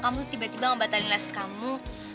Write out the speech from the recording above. kamu tuh tiba tiba ngebatalin les kamu